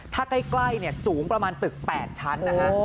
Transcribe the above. ถ้าใกล้สูงประมาณตึก๘ชั้นนะฮะ